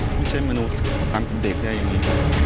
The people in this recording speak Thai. ไม่ใช่มนุษย์ทำกับเด็กได้อย่างนี้